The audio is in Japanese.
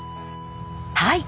はい。